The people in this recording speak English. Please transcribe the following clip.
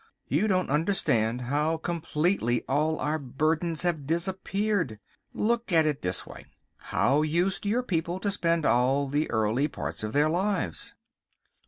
You don't understand how completely all our burdens have disappeared. Look at it this way. How used your people to spend all the early part of their lives?"